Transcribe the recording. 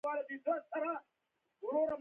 مقتديانو بيا فتحه ورکړه.